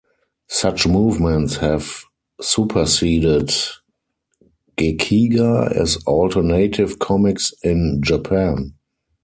Such movements have superseded gekiga as alternative comics in Japan.